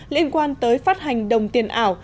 liên quan tới phát hành đồng tiền ảo